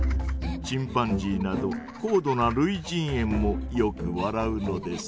チンパンジーなど高度なるいじんえんもよく笑うのです。